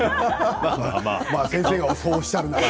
先生がそうおっしゃるなら。